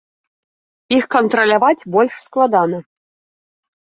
Іх кантраляваць больш складана.